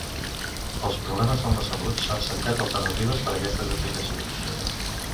Pels problemes en la salut s'han cercat alternatives per aquestes aplicacions.